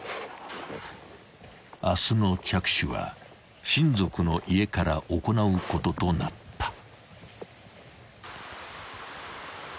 ［明日の着手は親族の家から行うこととなった］